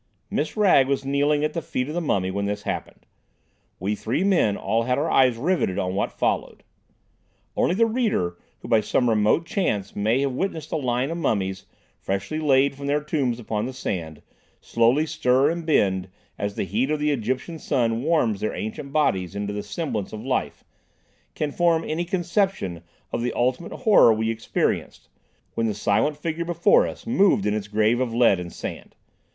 Miss Wragge was kneeling at the feet of the mummy when this happened. We three men all had our eyes riveted on what followed. Only the reader who by some remote chance may have witnessed a line of mummies, freshly laid from their tombs upon the sand, slowly stir and bend as the heat of the Egyptian sun warms their ancient bodies into the semblance of life, can form any conception of the ultimate horror we experienced when the silent figure before us moved in its grave of lead and sand.